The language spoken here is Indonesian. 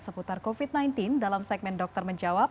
seputar covid sembilan belas dalam segmen dokter menjawab